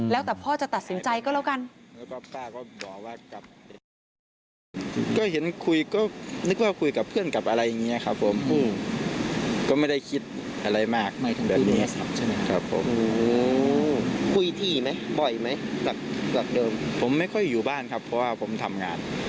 แล้วแต่พ่อจะตัดสินใจก็แล้วกัน